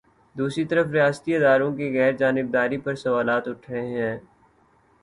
دوسری طرف ریاستی اداروں کی غیر جانب داری پر سوالات اٹھ رہے ہیں۔